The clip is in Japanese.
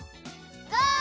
ゴー！